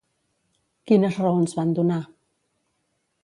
Quines raons van donar?